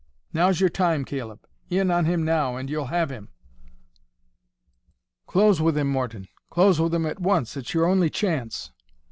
"Now's your time, Caleb; in on him now, and you'll have him." "Close with him, Morton, close with him at once; it's your only chance."